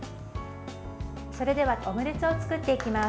それではオムレツを作っていきます。